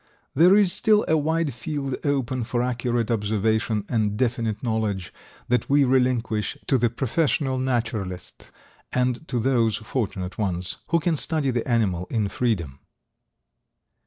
There is still a wide field open for accurate observation and definite knowledge that we relinquish to the professional naturalist and to those fortunate ones who can study the animal in freedom.